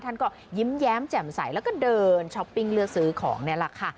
ท่านก็ยิ้มแย้มแจ่มใสแล้วก็เดินช้อปปิ้งเลือกซื้อของนี่แหละค่ะ